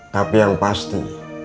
tapi yang pasti